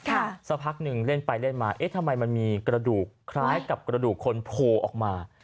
สักพักหนึ่งเล่นไปเล่นมาเอ๊ะทำไมมันมีกระดูกคล้ายกับกระดูกคนโผล่ออกมา